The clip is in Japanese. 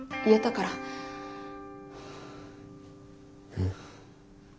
うん。